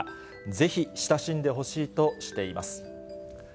ぜひ親しんでほしいとしています。